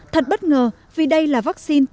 thật bất ngờ vì đây là vaccine tiêu diệt